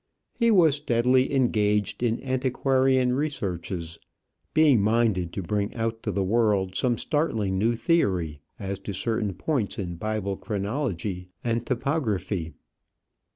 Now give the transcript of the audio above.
He was steadily engaged in antiquarian researches, being minded to bring out to the world some startling new theory as to certain points in Bible chronology and topography.